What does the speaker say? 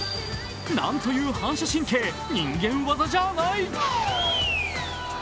なんという反射神経、人間業じゃない！